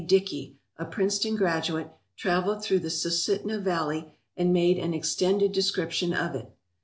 Dickey, a Princeton graduate, travelled through the Susitna valley and made an extended descrip tion of it.